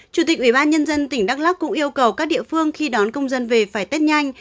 chủ tịch ubnd tỉnh đắk lắc cũng yêu cầu các địa phương khi đón công dân về phải test nhanh